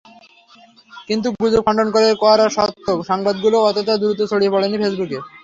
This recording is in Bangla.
কিন্তু গুজব খণ্ডন করে করা সত্য সংবাদগুলো অতটা দ্রুত ছড়িয়ে পড়েনি ফেসবুকে।